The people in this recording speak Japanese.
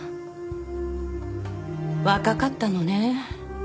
若かったのね。